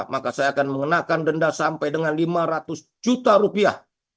maka saya akan mengenakan denda sampai dengan lima ratus juta rupiah